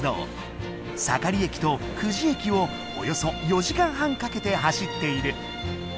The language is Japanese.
盛駅と久慈駅をおよそ４時間半かけて走っている。